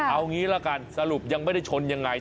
เอางี้ละกันสรุปยังไม่ได้ชนยังไง